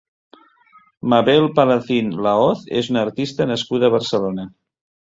Mabel Palacín Lahoz és una artista nascuda a Barcelona.